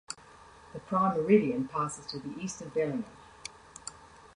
The Prime Meridian passes to the east of Bellingham.